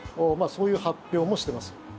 そういう発表もしています。